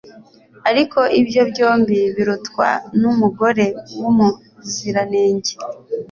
ariko ibyo byombi birutwa n'umugore w'umuziranenge